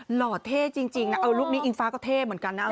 เหล่าเท่จริงนะเอารูปนี้วิทยุไลฟ้าก็เท่เหมือนกันนะ